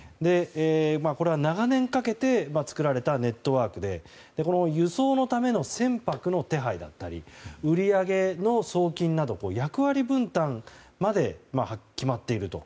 これは長年かけて作られたネットワークで輸送のための船舶の手配だったり売り上げの送金など役割分担まで決まっていると。